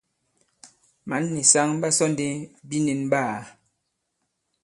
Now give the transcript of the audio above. Mǎn nì saŋ ɓa sɔ ndi binīn ɓaā.